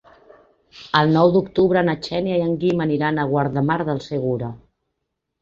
El nou d'octubre na Xènia i en Guim aniran a Guardamar del Segura.